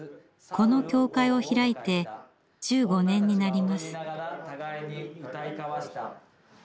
この教会を開いて１５年になります。